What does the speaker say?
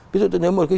ví dụ tôi nhớ một cái